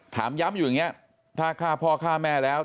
ถามย้ำอยู่อย่างนี้ถ้าฆ่าพ่อฆ่าแม่แล้ว